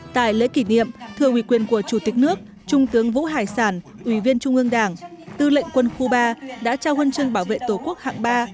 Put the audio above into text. tại lễ kỷ niệm thưa uy quyền của chủ tịch nước trung tướng vũ hải sản ủy viên trung ương đảng tư lệnh quân khu ba đã trao huân chương bảo vệ tổ quốc hạng ba